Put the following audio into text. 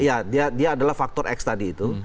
iya dia adalah faktor x tadi itu